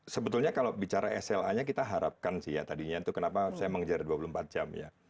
sebetulnya kalau bicara sla nya kita harapkan sih ya tadinya itu kenapa saya mengejar dua puluh empat jam ya